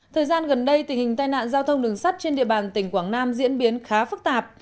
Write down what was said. thời gian gần đây tình hình tai nạn giao thông đường sắt trên địa bàn tỉnh quảng nam diễn biến khá phức tạp